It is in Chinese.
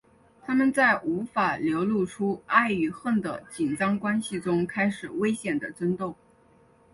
他们在无法流露出爱与恨的紧张关系中开始危险的争斗。